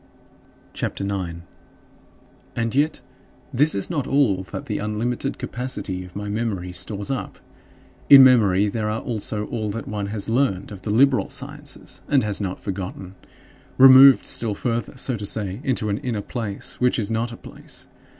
CHAPTER IX 16. And yet this is not all that the unlimited capacity of my memory stores up. In memory, there are also all that one has learned of the liberal sciences, and has not forgotten removed still further, so to say, into an inner place which is not a place.